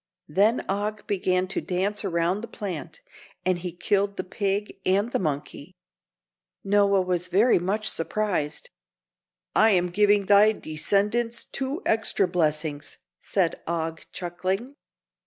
Then Og began to dance around the plant, and he killed the pig and the monkey. Noah was very much surprised. "I am giving thy descendants two extra blessings," said Og, chuckling.